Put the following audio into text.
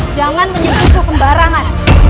jangan menyimpulku sembarangan